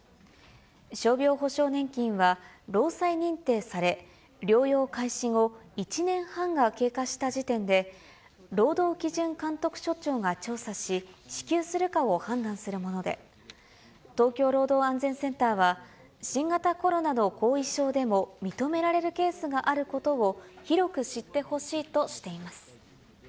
傷病補償年金は、労災認定され、療養開始後１年半が経過した時点で、労働基準監督署長が調査し、支給するかを判断するもので、東京労働安全センターは、新型コロナの後遺症でも認められるケースがあることを広く知ってほしいとしています。